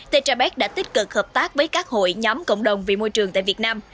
tgp đã tích cực hợp tác với các hội nhóm cộng đồng vì môi trường tại việt nam